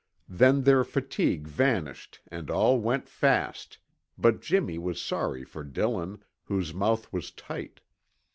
Then their fatigue vanished and all went fast, but Jimmy was sorry for Dillon, whose mouth was tight.